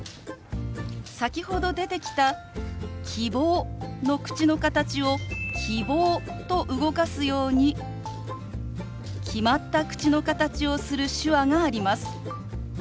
先ほど出てきた「希望」の口の形を「キボー」と動かすように決まった口の形をする手話があります。